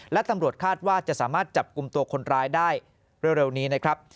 และตำรวจคาดว่าจะสามารถจับกลุ่มตัวคนร้ายได้เร็วนี้นะครับ